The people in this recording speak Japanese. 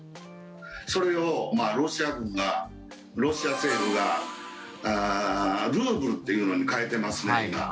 それをロシア軍が、ロシア政府がルーブルというのに変えてますね、今。